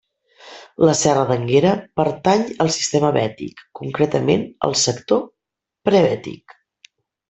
La serra d'Énguera pertany al sistema Bètic, concretament al sector Prebètic.